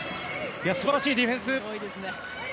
素晴らしいディフェンス。